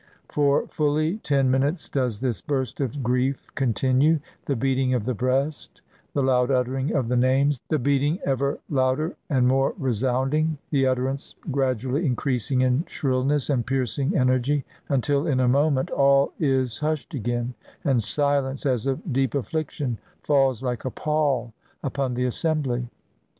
For fully ten minutes does this burst of grief continue — the beating of the breast, the loud uttering of the names, the beating ever louder and more resounding, the utterance gradu ally increasing in shrillness and piercing energy; imtil, in a moment, all is hushed again, and silence, as of deep afifliction, falls like a pall upon the assembly.